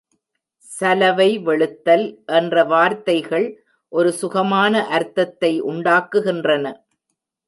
சலவை வெளுத்தல் என்ற வார்த்தைகள் ஒரு சுகமான அர்த்தத்தை உண்டாக்குகின்றன.